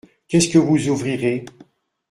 Qu’est-ce que vous ouvrirez ?